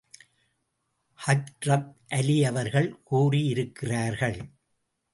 ஹஜ்ரத் அலி அவர்கள் கூறியிருக்கிறார்கள்.